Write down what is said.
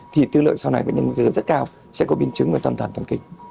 thì tư lượng sau này với nhân dấu hiệu rất cao sẽ có biến chứng về tầm tầm tầm kịch